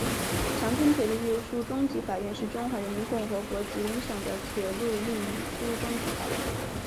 长春铁路运输中级法院是中华人民共和国吉林省的铁路运输中级法院。